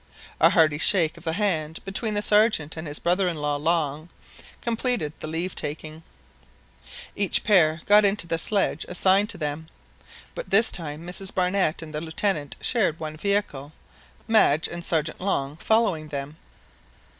A hearty shake of the hand between the Sergeant and his brother in law, Long, completed the leave taking, Each pair got into the sledge assigned to them; but this time Mrs Barnett and the Lieutenant shared one vehicle, Madge and Sergeant Long following them.